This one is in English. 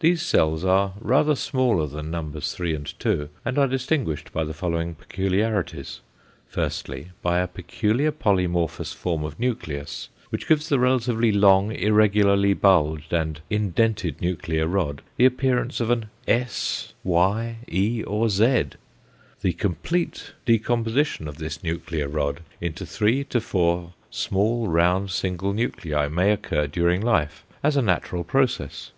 These cells are rather smaller than Nos. 3 and 2 and are distinguished by the following peculiarities: firstly by a peculiar polymorphous form of nucleus which gives the relatively long, irregularly bulged and indented nuclear rod the appearance of an S, Y, E or Z. The complete decomposition of this nuclear rod into three to four small round single nuclei may occur during life, as a natural process.